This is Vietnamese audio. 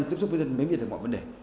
giúp giúp dân miễn viên về mọi vấn đề